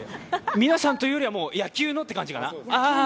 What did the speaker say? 皆さんというよりは、野球のという感じかな？